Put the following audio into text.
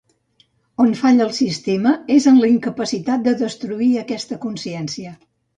On falla el sistema és en la incapacitat de destruir aquesta consciència.